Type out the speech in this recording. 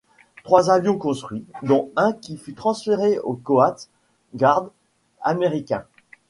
Trois avions construits, dont un qui fut transféré aux Coast Guard américains.